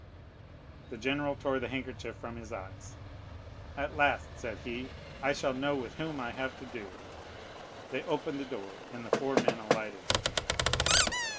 The general tore the handkerchief from his eyes. "At last," said he, "I shall know with whom I have to do." They opened the door and the four men alighted.